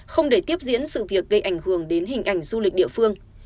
không để tiếp diễn sự việc gây ảnh hưởng đến hình ảnh du lịch địa phương